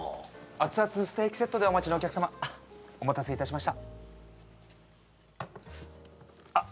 熱々ステーキセットでお待ちのお客様お待たせいたしましたあっ